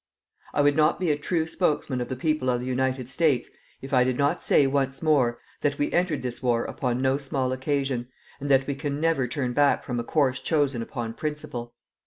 "I would not be a true spokesman of the people of the United States if I did not say once more that we entered this war upon no small occasion, and that we can never turn back from a course chosen upon principle.